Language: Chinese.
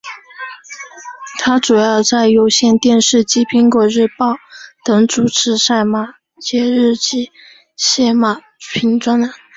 她主要在有线电视及苹果日报等主持赛马节目及撰写马评专栏。